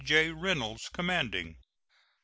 J. Reynolds commanding. II.